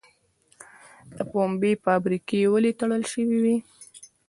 د پنبې فابریکې ولې تړل شوې وې؟